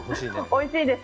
おいしいです。